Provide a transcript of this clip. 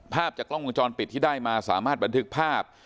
ภาพจากกล้องวงจรปิดที่ได้มาสามารถบันทึกภาพ